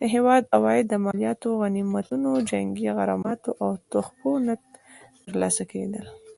د هیواد عواید له مالیاتو، غنیمتونو، جنګي غراماتو او تحفو نه ترلاسه کېدل.